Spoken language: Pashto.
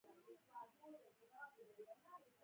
پابندی غرونه د افغانانو د اړتیاوو د پوره کولو وسیله ده.